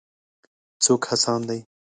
څوک هڅاند دی.